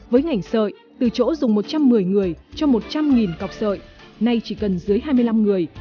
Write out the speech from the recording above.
với ngành sợi từ chỗ dùng một trăm một mươi người cho một trăm linh cọc sợi nay chỉ cần dưới hai mươi năm người